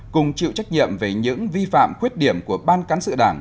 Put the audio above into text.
cùng chịu trách nhiệm về những vi phạm khuyết điểm của ban cán sự đảng